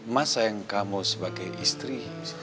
mas sayang kamu sebagai istri